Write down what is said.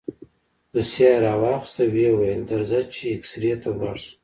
دوسيه يې راواخيسته ويې ويل درځه چې اكسرې ته ولاړ شو.